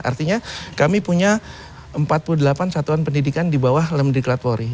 artinya kami punya empat puluh delapan satuan pendidikan di bawah lembaga pendidikan di klartwori